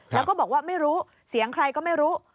แล้วก็บอกว่าไม่รู้เสียงใครก็ไม่รู้